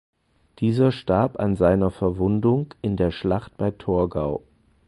Dieser starb an seiner Verwundung in der Schlacht bei Torgau.